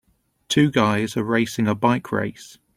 Two guys are racing a bike race.